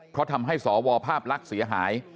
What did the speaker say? เพราะทำให้สวภาพลักษณ์เสียหาย